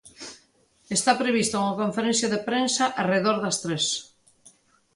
Está prevista unha conferencia de prensa arredor das tres.